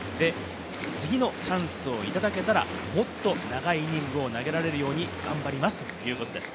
次のチャンスをいただけたら、もっと長いイニングを投げられるように頑張りますということです。